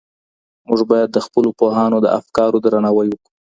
موږ باید د خپلو پوهانو د افکارو درناوی وکړو.